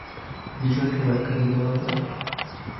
বিষয়টার ব্যাখ্যা দিতে পারবে?